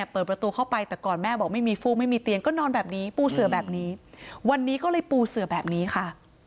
เปิดประตูเข้าไปแต่ก่อนแม่บอกไม่มีฟู้ไม่มีเตียงก็นอนแบบนี้ปูเสือแบบนี้วันนี้ก็เลยปูเสือแบบนี้ค่ะ